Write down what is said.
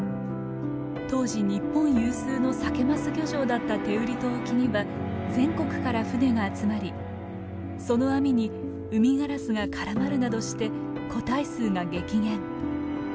当時日本有数のサケ・マス漁場だった天売島沖には全国から船が集まりその網にウミガラスが絡まるなどして個体数が激減。